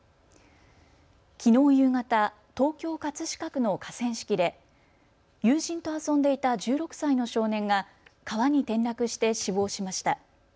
きのう夕方、東京葛飾区の河川敷で友人と遊んでいた１６歳の少年が川に転落して死亡しました。